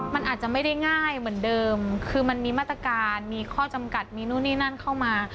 มันอาจจะไม่ได้ง่ายเหมือนเดิมคือมันมีมาตรการมีข้อจำกัดมีนู่นนี่นั่นเข้ามา